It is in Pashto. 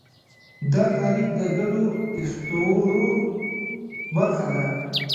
دا تعریف د ګډو اسطورو برخه ده.